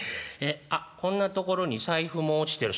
あっこんなところに財布も落ちてる」。